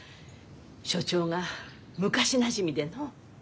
署長が昔なじみでのう。